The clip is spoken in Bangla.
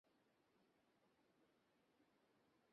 এক্ষুনি শিপটা ঘোরান!